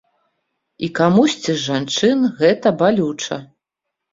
І камусьці з жанчын гэта балюча.